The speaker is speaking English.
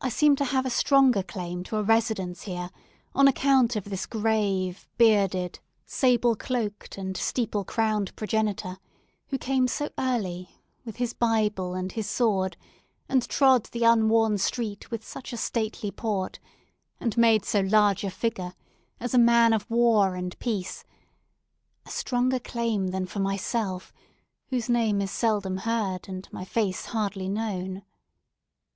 I seem to have a stronger claim to a residence here on account of this grave, bearded, sable cloaked, and steeple crowned progenitor—who came so early, with his Bible and his sword, and trode the unworn street with such a stately port, and made so large a figure, as a man of war and peace—a stronger claim than for myself, whose name is seldom heard and my face hardly known.